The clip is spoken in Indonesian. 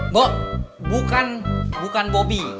mbok bukan bukan bobby